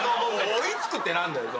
追い付くって何だよ？